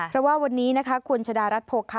เพราะว่าวันนี้นะคะคุณชะดารัฐโภคะ